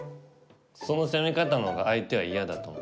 その攻め方のほうが相手は嫌だと思う。